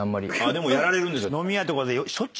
でもやられるんですよ。